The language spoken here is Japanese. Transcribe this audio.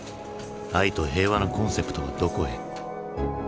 愛と平和のコンセプトはどこへ。